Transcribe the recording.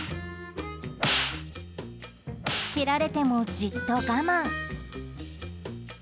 蹴られても、じっと我慢。